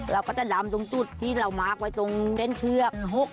เราก็จะดำตรงจุดที่เรามาร์คไว้ตรงเส้นเชือก